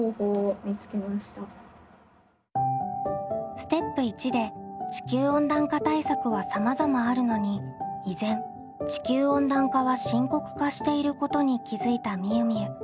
ステップ①で地球温暖化対策はさまざまあるのに依然地球温暖化は深刻化していることに気付いたみゆみゆ。